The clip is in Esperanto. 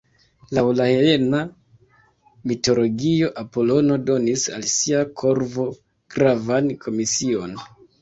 Laŭ la helena mitologio, Apolono donis al sia korvo gravan komision.